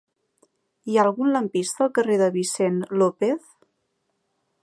Hi ha algun lampista al carrer de Vicent López?